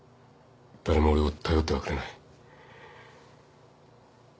誰も俺を頼ってはくれない。